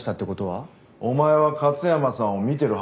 お前は勝山さんを見てるはずだよな？